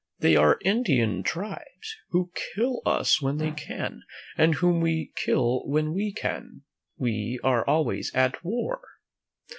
They are Indian tribes who kill us when they can, and whom we kill when we can. We are always at war.